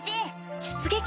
出撃？